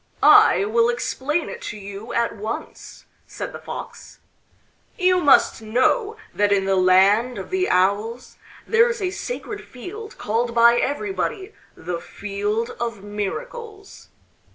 "I will explain it to you at once," said the Fox. "You must know that in the Land of the Owls there is a sacred field called by everybody the Field of Miracles.